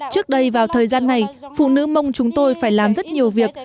trước đây vào thời gian này phụ nữ mông chúng tôi phải làm rất nhiều việc